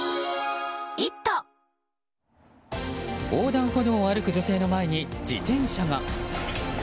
横断歩道を歩く女性の前に自転車が。